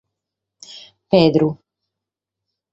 Pedru.